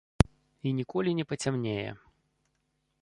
І ніколі не пацямнее.